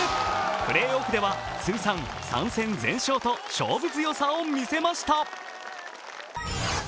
プレーオフでは通算３戦全勝と勝負強さを見せました。